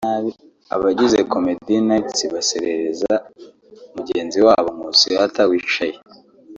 Abagize comedy knights baserereza mugenzi wabo Nkusi Arthur(wicaye)